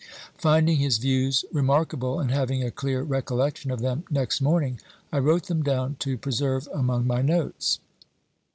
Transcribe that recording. Finding his views remark able, and having a clear recollection of them next morning, I wrote them down to preserve among my notes.